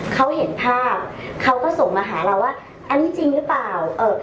เขาเห็นภาพเขาก็ส่งมาหาเราว่าอันนี้จริงหรือเปล่าเอ่อ